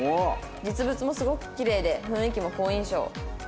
「実物もすごくキレイで雰囲気も好印象」